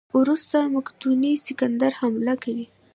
وروسته مقدوني سکندر حمله کوي.